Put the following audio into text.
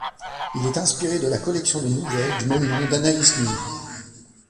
Il est inspiré de la collection de nouvelles du même nom d'Anaïs Nin.